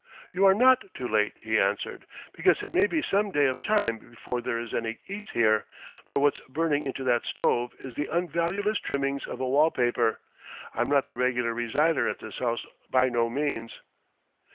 "You are not too late," he answered, "because it may be some days of time before there is any eats here, for what's burning into that stove is the unvalueless trimmings off of wall paper. I'm not the regular resider at this house by no means."